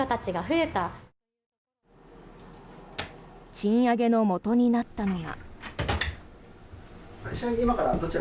賃上げのもとになったのは。